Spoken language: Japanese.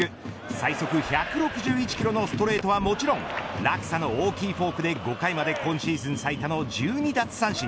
最速１６１キロのストレートはもちろん落差の大きいフォークで５回まで今シーズン最多の１２奪三振。